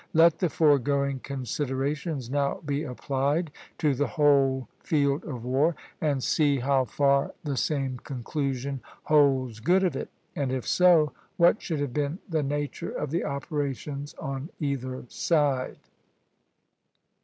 Let the foregoing considerations now be applied to the whole field of war, and see how far the same conclusion holds good of it, and if so, what should have been the nature of the operations on either side.